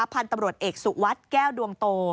พันธุ์ตำรวจเอกสุวัสดิ์แก้วดวงโต